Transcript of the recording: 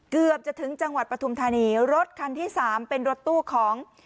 เกือบจะถึงจังหวัดปฐุมธานีรถคันที่สามเป็นรถตู้ของ